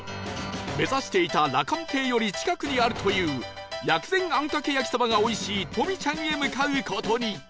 目指していたラカンテイより近くにあるという薬膳あんかけ焼きそばがおいしいとみちゃんへ向かう事に